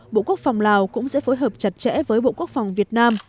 bộ quốc phòng lào cũng sẽ phối hợp chặt chẽ với bộ quốc phòng việt nam